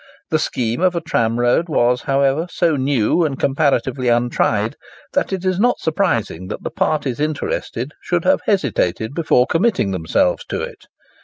The scheme of a tramroad was, however, so new and comparatively untried, that it is not surprising that the parties interested should have hesitated before committing themselves to it.